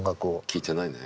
聴いてないね。